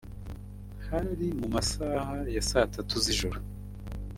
Hari mu masaha ya saa tatu z’ijoro